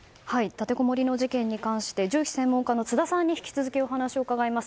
立てこもりの事件に関して銃器専門家の津田さんに引き続きお話を伺います。